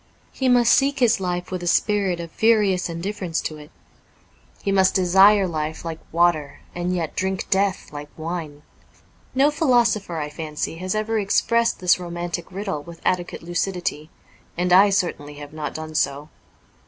He must seek his life in a spirit of furious indifference to it ; he must desire life like water and yet drink death like wine. No philo sopher, I fancy, has ever expressed this romantic riddle with adequate lucidity, and I certainly have not done so.